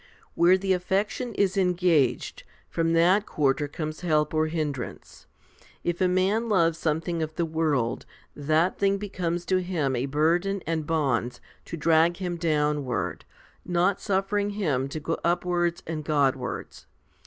Where the affection is engaged, from that quarter comes help or hindrance. If a man loves some thing of the world, that thing becomes to him a burden and bonds to drag him downward, not suffering him to go up wards and Godwards.